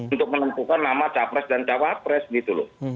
untuk menentukan nama capres dan cawapres gitu loh